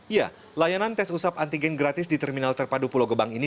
ya layanan tes usap antigen gratis di terminal terpadu pulau gebang ini